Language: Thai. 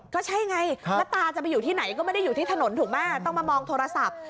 ก็ใช่ไงแล้วตาจะไปอยู่ที่ไหนก็ไม่ได้อยู่ที่ถนนถูกไหมต้องมามองโทรศัพท์